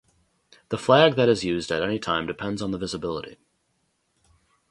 The flag that is used at any time depends on the visibility.